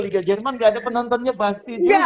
liga jerman gak ada penontonnya pasti juga